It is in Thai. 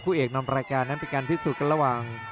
เอกนำรายการนั้นเป็นการพิสูจน์กันระหว่าง